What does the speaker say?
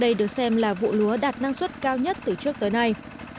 đây được xem là vụ lúa đạt năng suất cao nhất từ trước tới nay